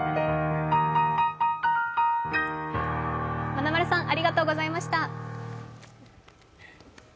まなまるさん、ありがとうございました。